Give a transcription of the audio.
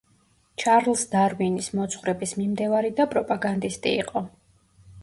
ჩარლზ დარვინის მოძღვრების მიმდევარი და პროპაგანდისტი იყო.